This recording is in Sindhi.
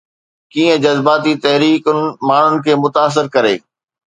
ڪيئن جذباتي تحريڪن ماڻهن کي متاثر ڪري؟